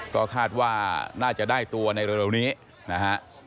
ก็คาดว่าน่าจะได้ตัวในเร็วนี้นะฮะ